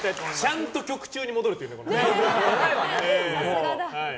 ちゃんと曲中に戻るっていうのがね。